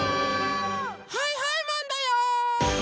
はいはいマンだよー！